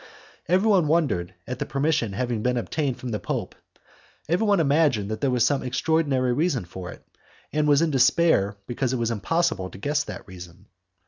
Everyone wondered at the permission having been obtained from the Pope, everyone imagined that there was some extraordinary reason for it, and was in despair because it was impossible to guess that reason.